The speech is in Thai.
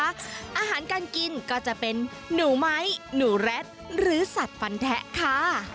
อาหารการกินก็จะเป็นหนูไม้หนูแร็ดหรือสัตว์ฟันแท้ค่ะ